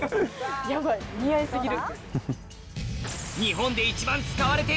ヤバい似合い過ぎる。